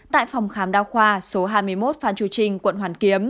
tại phòng khám đao khoa số hai mươi một phan chủ trình